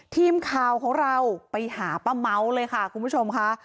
ทีมข่าวของเราไปหาป้าเม้าเลยค่ะคุณผู้ชมค่ะ